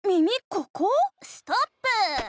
ここ⁉ストップー！